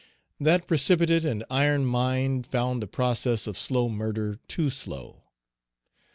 That precipitate and iron mind found the process of slow murder too slow.